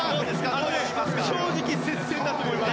正直、接戦だと思います。